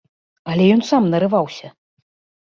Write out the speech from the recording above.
Але ён сам нарываўся!